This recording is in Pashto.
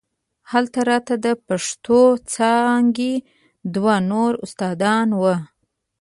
هلته راته د پښتو څانګې دوه نور استادان وو.